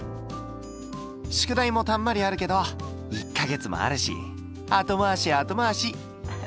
宿題もたんまりあるけど１か月もあるし後回し後回し。